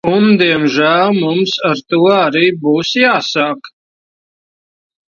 Un diemžēl mums ar to arī būs jāsāk.